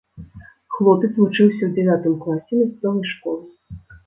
Хлопец вучыўся ў дзявятым класе мясцовай школы.